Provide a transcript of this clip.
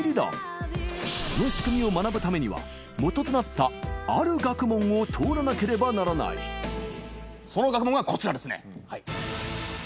その仕組みを学ぶためには元となったある学問を通らなければならないその学問がこちらですね。